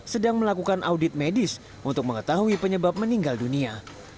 sedang melakukan audit medis untuk mengetahui penyebab meninggal dunia